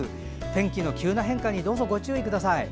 天気の急な変化にご注意ください。